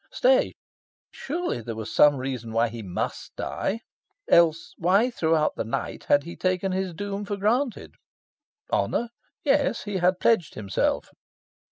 Stay, surely there was some reason why he MUST die. Else, why throughout the night had he taken his doom for granted?... Honour: yes, he had pledged himself.